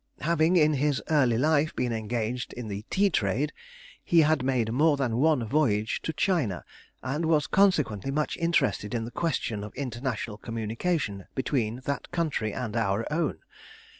Having in his early life been engaged in the tea trade, he had made more than one voyage to China, and was consequently much interested in the question of international communication between that country and our own.